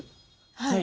はい。